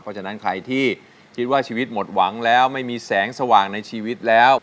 เพราะฉะนั้นใครที่คิดว่าชีวิตหมดหวังแล้วไม่มีแสงสว่างในชีวิตแล้ว